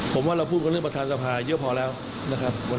ผมว่าเราพูดกันเรื่องประธานสภาเยอะพอแล้วนะครับ